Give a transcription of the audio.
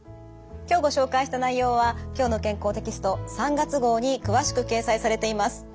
今日ご紹介した内容は「きょうの健康」テキスト３月号に詳しく掲載されています。